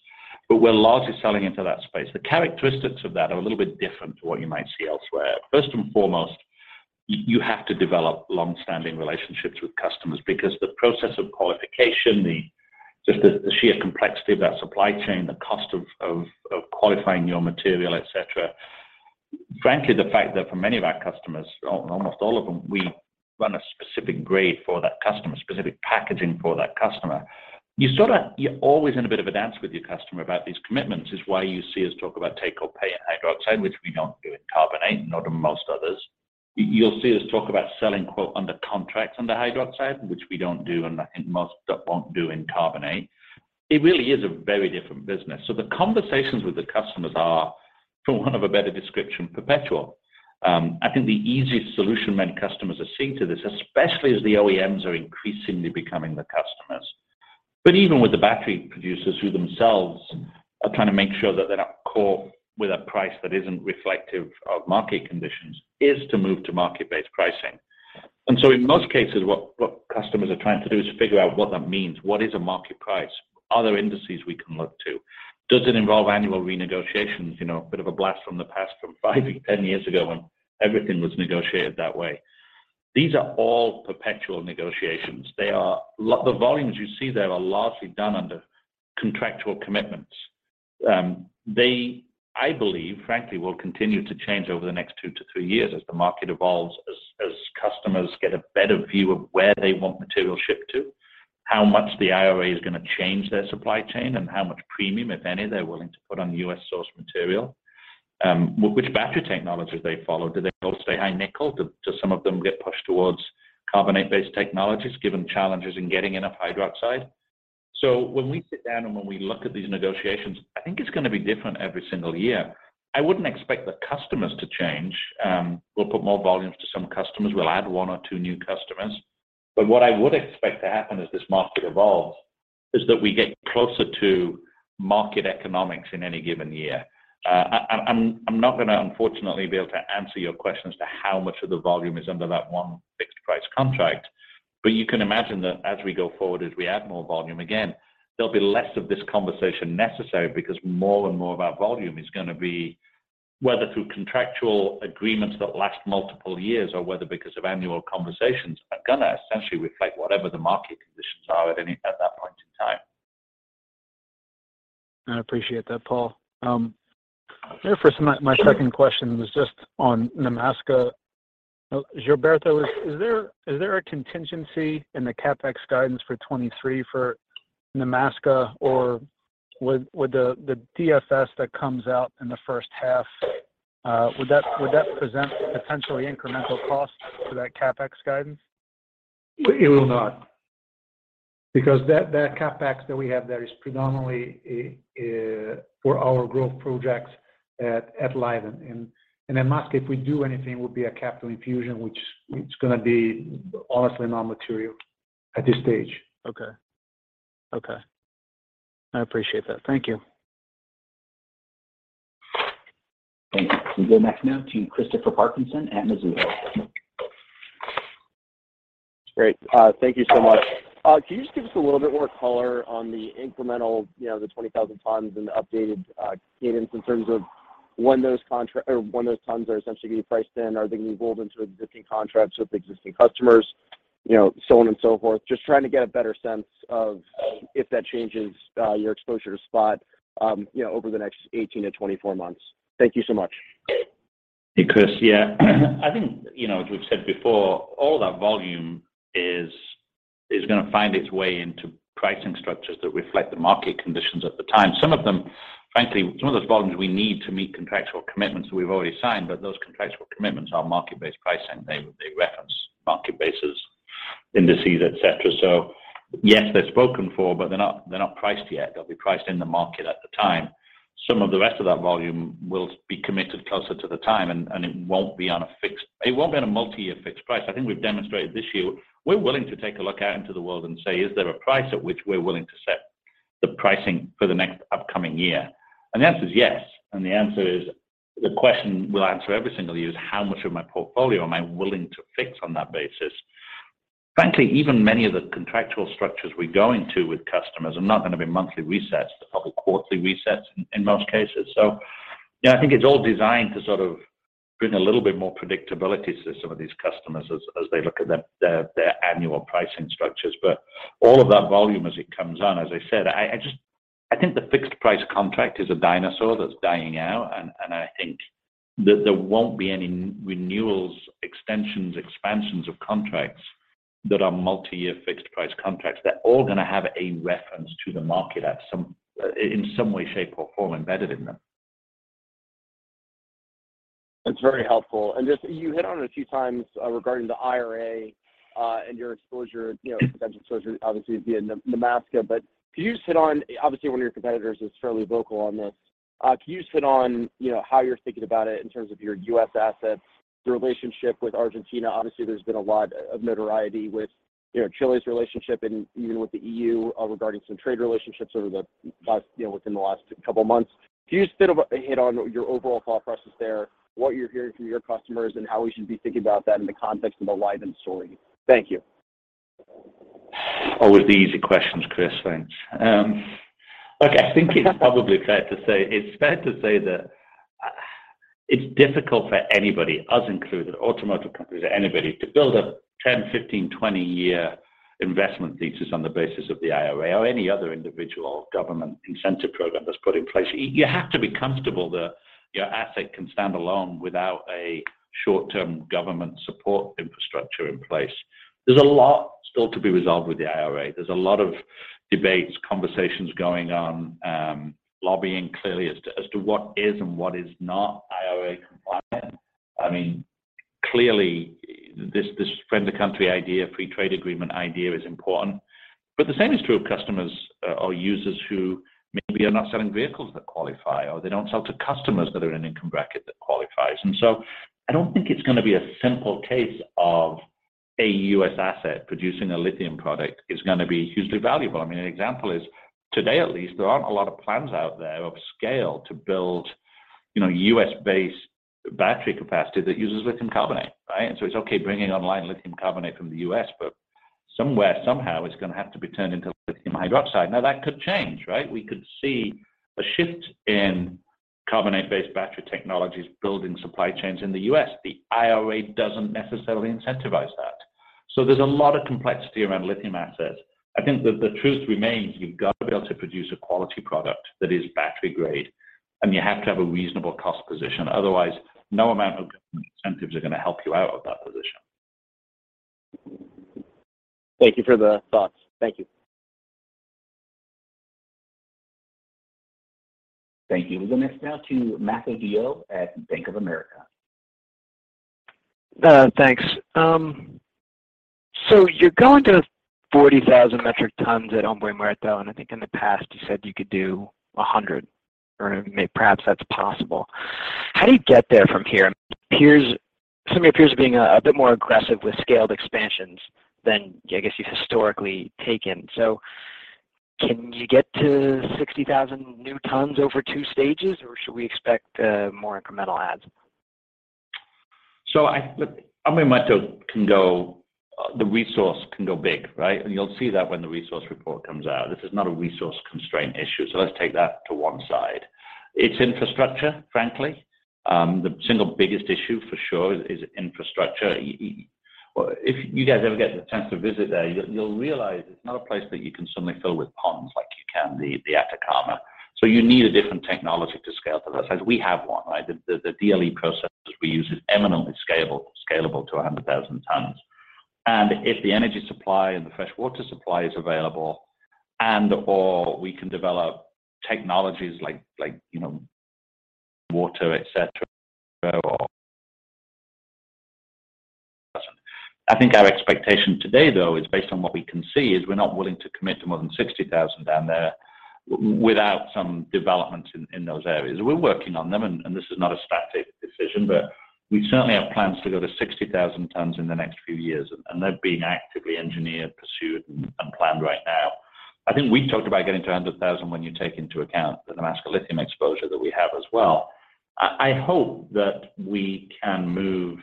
We're largely selling into that space. The characteristics of that are a little bit different to what you might see elsewhere. First and foremost, you have to develop long-standing relationships with customers because the process of qualification, the, just the sheer complexity of that supply chain, the cost of, of qualifying your material, et cetera. Frankly, the fact that for many of our customers, almost all of them, we run a specific grade for that customer, specific packaging for that customer. You sort of, you're always in a bit of a dance with your customer about these commitments is why you see us talk about take-or-pay in hydroxide, which we don't do in carbonate, nor do most others. You'll see us talk about selling quote, under contracts under hydroxide, which we don't do, and I think most don't do in carbonate. It really is a very different business. The conversations with the customers are, for want of a better description, perpetual. I think the easiest solution many customers are seeing to this, especially as the OEMs are increasingly becoming the customers. Even with the battery producers who themselves are trying to make sure that they're not caught with a price that isn't reflective of market conditions, is to move to market-based pricing. In most cases, what customers are trying to do is figure out what that means. What is a market price? Are there indices we can look to? Does it involve annual renegotiations? You know, a bit of a blast from the past from 5, 10 years ago when everything was negotiated that way. These are all perpetual negotiations. They are the volumes you see there are largely done under contractual commitments. They, I believe, frankly, will continue to change over the next two to three years as the market evolves, as customers get a better view of where they want material shipped to, how much the IRA is gonna change their supply chain, and how much premium, if any, they're willing to put on U.S. source material. Which battery technologies they follow? Do they all stay high nickel? Do some of them get pushed towards carbonate-based technologies, given challenges in getting enough hydroxide? When we sit down and when we look at these negotiations, I think it's gonna be different every single year. I wouldn't expect the customers to change. We'll put more volumes to some customers. We'll add one or two new customers. What I would expect to happen as this market evolves is that we get closer to market economics in any given year. I'm not gonna unfortunately be able to answer your question as to how much of the volume is under that one fixed price contract. You can imagine that as we go forward, as we add more volume, again, there'll be less of this conversation necessary because more and more of our volume is gonna be, whether through contractual agreements that last multiple years or whether because of annual conversations, are gonna essentially reflect whatever the market conditions are at that point in time. I appreciate that, Paul. My second question was just on Nemaska. Gilberto, is there a contingency in the CapEx guidance for 2023 for Nemaska, or would the DFS that comes out in the first half, would that present potentially incremental costs to that CapEx guidance? It will not. That CapEx that we have there is predominantly for our growth projects at Livent. At Nemaska, if we do anything, it would be a capital infusion, which it's gonna be honestly non-material at this stage. Okay. Okay. I appreciate that. Thank you. Thank you. We go next now to Christopher Parkinson at Mizuho. Great. Thank you so much. Can you just give us a little bit more color on the incremental, you know, the 20,000 tons and the updated cadence in terms of when those tons are essentially getting priced in? Are they going to roll into existing contracts with existing customers? You know, so on and so forth. Just trying to get a better sense of if that changes your exposure to spot, you know, over the next 18 to 24 months. Thank you so much. Hey, Chris. Yeah, I think, you know, as we've said before, all that volume is gonna find its way into pricing structures that reflect the market conditions at the time. Some of them, frankly, some of those volumes we need to meet contractual commitments we've already signed, but those contractual commitments are market-based pricing. They reference market bases, indices, et cetera. Yes, they're spoken for, but they're not priced yet. They'll be priced in the market at the time. Some of the rest of that volume will be committed closer to the time, and it won't be on a multi-year fixed price. I think we've demonstrated this year we're willing to take a look out into the world and say, is there a price at which we're willing to set the pricing for the next upcoming year? The answer is yes. The question we'll answer every single year is, how much of my portfolio am I willing to fix on that basis? Frankly, even many of the contractual structures we go into with customers are not gonna be monthly resets. They're probably quarterly resets in most cases. Yeah, I think it's all designed to sort of bring a little bit more predictability to some of these customers as they look at their annual pricing structures. All of that volume as it comes on, as I said, I think the fixed price contract is a dinosaur that's dying out and I think that there won't be any renewals, extensions, expansions of contracts that are multi-year fixed price contracts. They're all gonna have a reference to the market at some in some way, shape, or form embedded in them. That's very helpful. Just, you hit on it a few times, regarding the IRA, and your exposure, you know, potential exposure obviously via Nemaska. Can you just hit on, obviously, one of your competitors is fairly vocal on this. Can you just hit on, you know, how you're thinking about it in terms of your U.S. assets, the relationship with Argentina? Obviously, there's been a lot of notoriety with, you know, Chile's relationship and even with the EU, regarding some trade relationships over the last, you know, within the last couple of months. Can you just hit on your overall thought process there, what you're hearing from your customers, and how we should be thinking about that in the context of the Livent story? Thank you. Always the easy questions, Chris. Thanks. Look, I think it's probably fair to say that it's difficult for anybody, us included, automotive companies or anybody, to build a 10, 15, 20-year investment thesis on the basis of the IRA or any other individual government incentive program that's put in place. You have to be comfortable that your asset can stand alone without a short-term government support infrastructure in place. There's a lot still to be resolved with the IRA. There's a lot of debates, conversations going on, lobbying clearly as to what is and what is not IRA compliant. Clearly this friend of country idea, free trade agreement idea is important. The same is true of customers or users who maybe are not selling vehicles that qualify or they don't sell to customers that are in an income bracket that qualifies. I don't think it's gonna be a simple case of a U.S. asset producing a lithium product is gonna be hugely valuable. I mean, an example is today, at least, there aren't a lot of plans out there of scale to build, you know, U.S.-based battery capacity that uses lithium carbonate, right? It's okay bringing online lithium carbonate from the U.S., but somewhere, somehow, it's gonna have to be turned into lithium hydroxide. Now, that could change, right? We could see a shift in carbonate-based battery technologies building supply chains in the U.S. The IRA doesn't necessarily incentivize that. There's a lot of complexity around lithium assets. I think the truth remains you've got to be able to produce a quality product that is battery-grade, and you have to have a reasonable cost position. Otherwise, no amount of government incentives are gonna help you out of that position. Thank you for the thoughts. Thank you. Thank you. We'll go next now to Matthew DeYoe at Bank of America. Thanks. You're going to 40,000 metric tons at Hombre Muerto, I think in the past, you said you could do 100, or perhaps that's possible. How do you get there from here? It appears to me, it appears you're being a bit more aggressive with scaled expansions than I guess you've historically taken. Can you get to 60,000 new tons over two stages, or should we expect more incremental adds? Look, Hombre Muerto can go, the resource can go big, right? You'll see that when the resource report comes out. This is not a resource constraint issue. Let's take that to one side. It's infrastructure, frankly. The single biggest issue for sure is infrastructure. Well, if you guys ever get the chance to visit there, you'll realize it's not a place that you can suddenly fill with ponds like you can the Atacama. You need a different technology to scale to that size. We have one, right? The DLE process we use is eminently scalable to 100,000 tons. If the energy supply and the fresh water supply is available and/or we can develop technologies like, you know, water, et cetera, or... I think our expectation today, though, is based on what we can see, is we're not willing to commit to more than 60,000 down there without some development in those areas. We're working on them and this is not a static decision, but we certainly have plans to go to 60,000 tons in the next few years. They're being actively engineered, pursued, and planned right now. I think we talked about getting to 100,000 when you take into account the Nemaska Lithium exposure that we have as well. I hope that we can move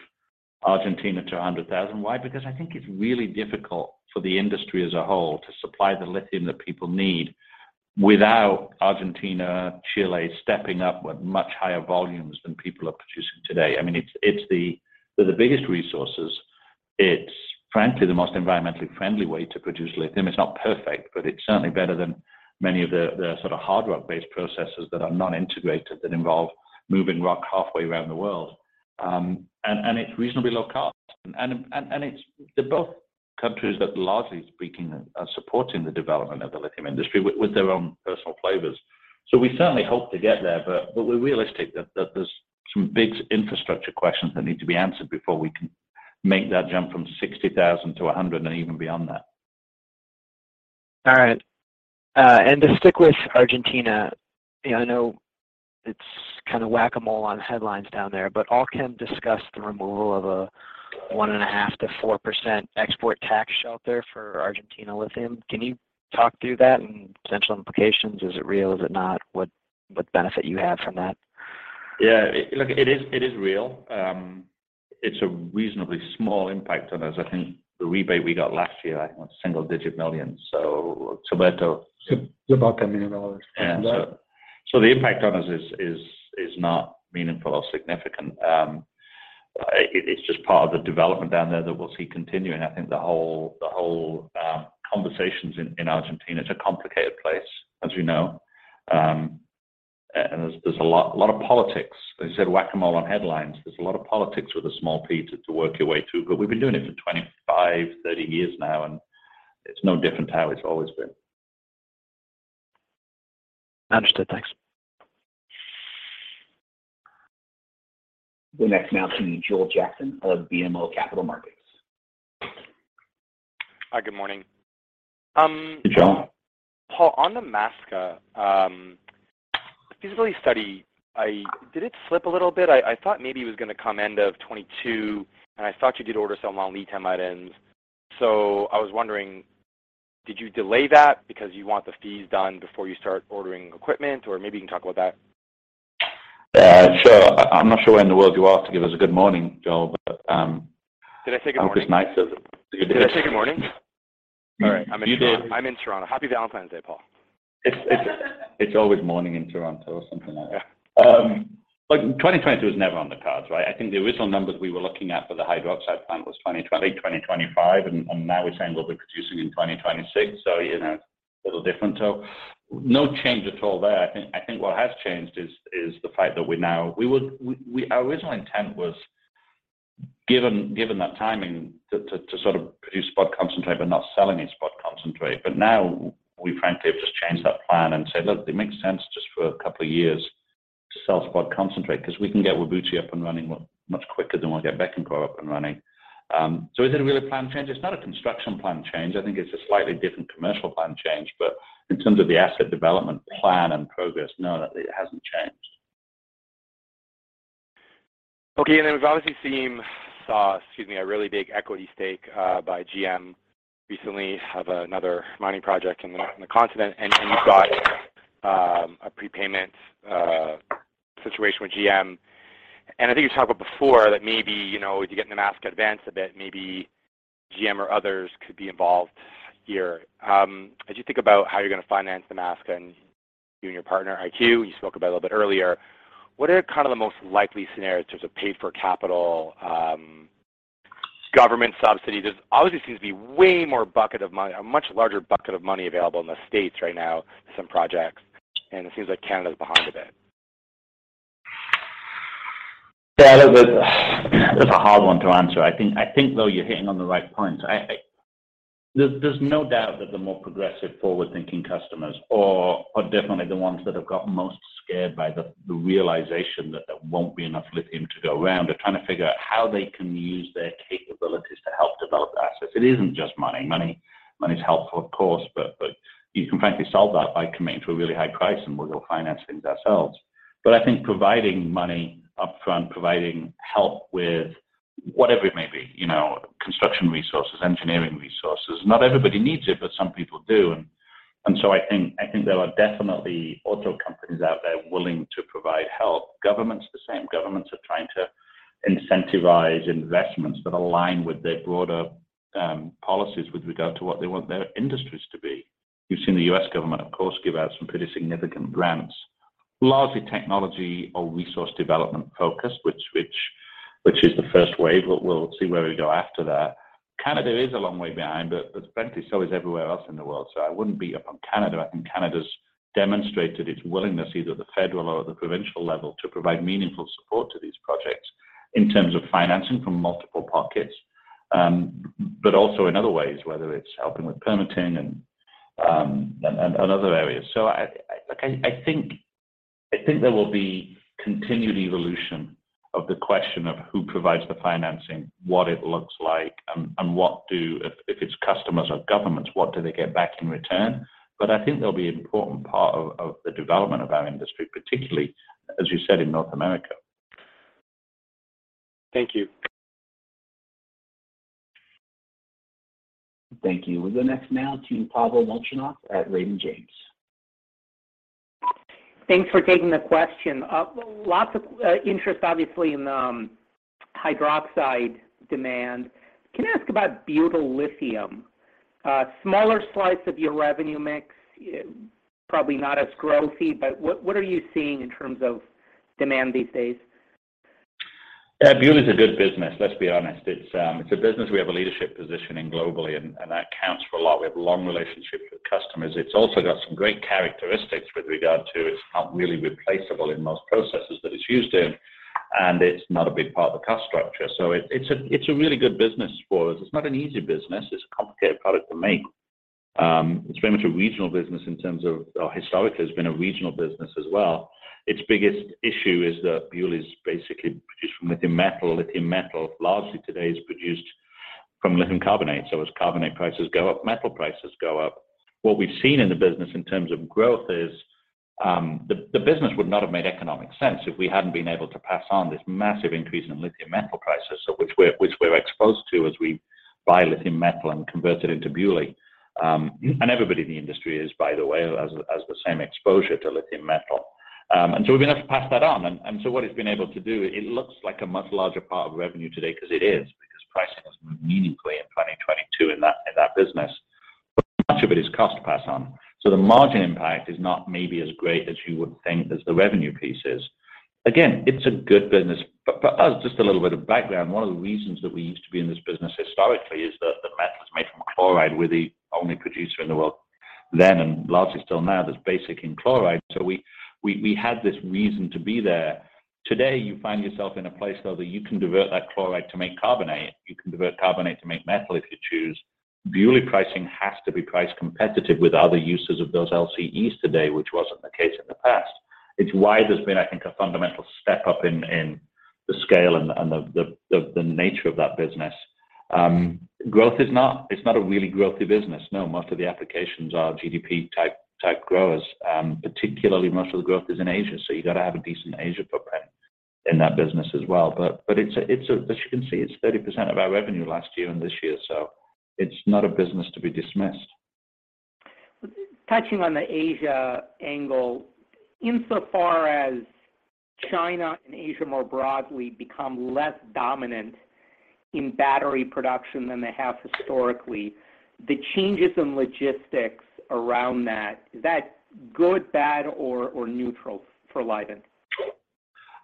Argentina to 100,000. Why? Because I think it's really difficult for the industry as a whole to supply the lithium that people need without Argentina, Chile stepping up with much higher volumes than people are producing today. I mean, it's the biggest resources. It's frankly the most environmentally friendly way to produce lithium. It's not perfect, but it's certainly better than many of the sort of hard rock-based processes that are not integrated that involve moving rock halfway around the world. It's reasonably low cost. They're both countries that, largely speaking, are supporting the development of the lithium industry with their own personal flavors. We certainly hope to get there, but we're realistic that there's some big infrastructure questions that need to be answered before we can make that jump from 60,000 to 100 and even beyond that. All right. To stick with Argentina, you know, I know it's kinda whack-a-mole on headlines down there, but Allkem discussed the removal of a 1.5%-4% export tax shelter for Argentina lithium. Can you talk through that and potential implications? Is it real? Is it not? What benefit you have from that? Look, it is real. It's a reasonably small impact on us. I think the rebate we got last year, I think was single digit millions. Gilberto? It's about $10 million. Yeah. The impact on us is not meaningful or significant. It's just part of the development down there that we'll see continuing. I think the whole conversations in Argentina, it's a complicated place, as we know. And there's a lot of politics. As you said, whack-a-mole on headlines. There's a lot of politics with a small p to work your way through. We've been doing it for 25, 30 years now, and it's no different to how it's always been. Understood. Thanks. We'll next now to Joel Jackson of BMO Capital Markets. Hi, good morning. Hey, Joel. Paul, on the Nemaska feasibility study, did it slip a little bit? I thought maybe it was gonna come end of 2022, and I thought you did order some long lead time items. I was wondering, did you delay that because you want the DFS done before you start ordering equipment? Or maybe you can talk about that. Sure. I'm not sure where in the world you are to give us a good morning, Joel, but. Did I say good morning? I'm just nice as a... You did. Did I say good morning? All right. You did. I'm in Toronto. Happy Valentine's Day, Paul. It's always morning in Toronto or something like that. 2022 was never on the cards, right? I think the original numbers we were looking at for the hydroxide plant was 2025, and now we're saying we'll be producing in 2026. You know, a little different. No change at all there. I think what has changed is the fact that Our original intent was given that timing to sort of produce spot concentrate but not selling any spot concentrate. Now we frankly have just changed that plan and said, "Look, it makes sense just for a couple of years to sell spot concentrate 'cause we can get Whabouchi up and running much quicker than we get Bécancour up and running." Is it really a plan change? It's not a construction plan change. I think it's a slightly different commercial plan change. In terms of the asset development plan and progress, no, it hasn't changed. Okay. We've obviously saw, excuse me, a really big equity stake by GM recently, have another mining project in the continent. You've got a prepayment situation with GM. I think you talked about before that maybe, you know, as you get Nemaska advance a bit, maybe GM or others could be involved here. As you think about how you're gonna finance Nemaska and you and your partner, IQ, you spoke about a little bit earlier, what are kind of the most likely scenarios in terms of paid for capital, government subsidies? There obviously seems to be way more bucket of money, a much larger bucket of money available in the States right now for some projects, and it seems like Canada is behind a bit. Yeah, look, that's a hard one to answer. I think though you're hitting on the right points. There's no doubt that the more progressive forward-thinking customers are definitely the ones that have got most scared by the realization that there won't be enough lithium to go around. They're trying to figure out how they can use their capabilities to help develop assets. It isn't just money. Money's helpful, of course, but you can frankly solve that by committing to a really high price and we'll go finance things ourselves. I think providing money upfront, providing help with whatever it may be, you know, construction resources, engineering resources, not everybody needs it, but some people do. I think there are definitely auto companies out there willing to provide help. Governments the same. Governments are trying to incentivize investments that align with their broader policies with regard to what they want their industries to be. You've seen the U.S. government, of course, give out some pretty significant grants, largely technology or resource development focused, which is the first wave. We'll see where we go after that. Canada is a long way behind, but frankly, so is everywhere else in the world. I wouldn't beat up on Canada. I think Canada's demonstrated its willingness, either at the federal or the provincial level, to provide meaningful support to these projects in terms of financing from multiple pockets, but also in other ways, whether it's helping with permitting and other areas. I think there will be continued evolution of the question of who provides the financing, what it looks like, and what do, if it's customers or governments, what do they get back in return. I think they'll be an important part of the development of our industry, particularly as you said in North America. Thank you. Thank you. We'll go next now to Pavel Molchanov at Raymond James. Thanks for taking the question. Lots of interest obviously in hydroxide demand. Can I ask about butyllithium? Smaller slice of your revenue mix, probably not as growthy, but what are you seeing in terms of demand these days? Yeah, butyllithium is a good business, let's be honest. It's a business we have a leadership position in globally, and that counts for a lot. We have long relationships with customers. It's also got some great characteristics with regard to it's not really replaceable in most processes that it's used in, and it's not a big part of the cost structure. It's a really good business for us. It's not an easy business. It's a complicated product to make. It's very much a regional business in terms of or historically has been a regional business as well. Its biggest issue is that butyllithium is basically produced from lithium metal. Lithium metal largely today is produced from lithium carbonate. As carbonate prices go up, metal prices go up. What we've seen in the business in terms of growth is, the business would not have made economic sense if we hadn't been able to pass on this massive increase in lithium metal prices. Which we're exposed to as we buy lithium metal and convert it into butyllithium. Everybody in the industry is, by the way, has the same exposure to lithium metal. We've been able to pass that on. What it's been able to do, it looks like a much larger part of revenue today because it is, because pricing has moved meaningfully in 2022 in that business. Much of it is cost pass on. The margin impact is not maybe as great as you would think as the revenue piece is. Again, it's a good business. For us, just a little bit of background, one of the reasons that we used to be in this business historically is that the metal is made from chloride. We're the only producer in the world then and largely still now that's basic in chloride. We had this reason to be there. Today, you find yourself in a place, though, that you can divert that chloride to make carbonate. You can divert carbonate to make metal if you choose. butyllithium pricing has to be price competitive with other users of those LCEs today, which wasn't the case in the past. It's why there's been, I think, a fundamental step up in the scale and the nature of that business. Growth is not a really growthy business. No, most of the applications are GDP type growers. particularly most of the growth is in Asia, so you got to have a decent Asia footprint in that business as well. As you can see, it's 30% of our revenue last year and this year, so it's not a business to be dismissed. Touching on the Asia angle, insofar as China and Asia more broadly become less dominant in battery production than they have historically, the changes in logistics around that, is that good, bad, or neutral for Livent?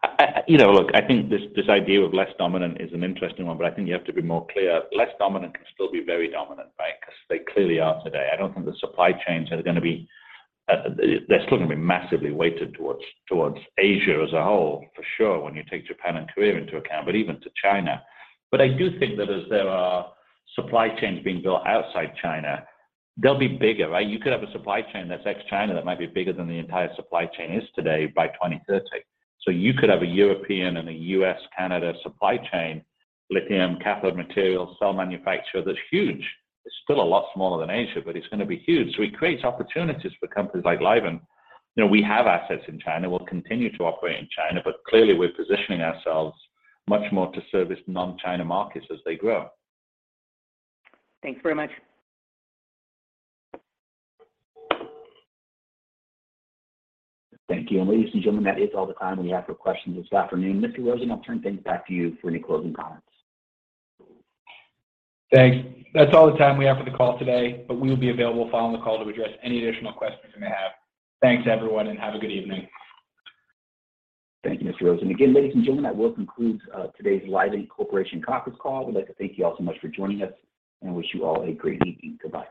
I, you know, look, I think this idea of less dominant is an interesting one, but I think you have to be more clear. Less dominant can still be very dominant, right? 'Cause they clearly are today. I don't think the supply chains are gonna be, they're still gonna be massively weighted towards Asia as a whole, for sure, when you take Japan and Korea into account, but even to China. I do think that as there are supply chains being built outside China, they'll be bigger, right? You could have a supply chain that's ex-China that might be bigger than the entire supply chain is today by 2030. You could have a European and a U.S., Canada supply chain, lithium cathode material, cell manufacturer that's huge. It's still a lot smaller than Asia, but it's gonna be huge. It creates opportunities for companies like Livent. You know, we have assets in China. We'll continue to operate in China, but clearly we're positioning ourselves much more to service non-China markets as they grow. Thanks very much. Thank you. Ladies and gentlemen, that is all the time we have for questions this afternoon. Mr. Rosen, I'll turn things back to you for any closing comments. Thanks. That's all the time we have for the call today, but we will be available following the call to address any additional questions you may have. Thanks, everyone, and have a good evening. Thank you, Mr. Rosen. Again, ladies and gentlemen, that will conclude today's Livent Corporation conference call. We'd like to thank you all so much for joining us and wish you all a great evening. Goodbye.